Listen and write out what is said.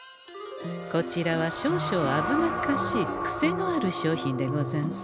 こちらは少々危なっかしいクセのある商品でござんす。